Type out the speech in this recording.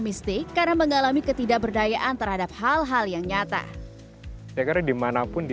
mistik karena mengalami ketidakberdayaan terhadap hal hal yang nyatanya dekare dimanapun di